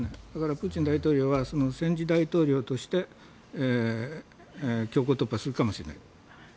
だからプーチン大統領は戦時大統領として強行突破するかもしれない。